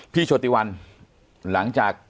พี่โชติวันล้างจาก